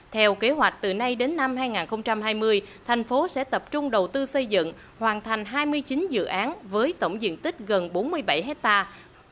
theo kế hoạch từ nay đến năm hai nghìn hai mươi thành phố sẽ tập trung đầu tư xây dựng hoàn thành hai mươi chín dự án với tổng diện tích gần bốn mươi bảy hectare